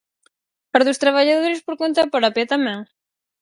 ¿As dos traballadores por conta propia tamén?